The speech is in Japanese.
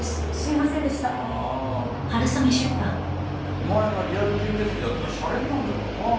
お前がリアル吸血鬼だったらしゃれになんねえからさ。